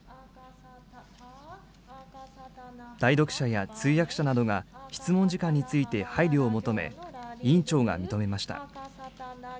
代読者や通訳者などが、質問時間について配慮を求め、委員長が認めました。